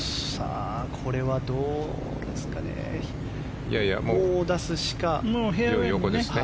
これはどうですかね。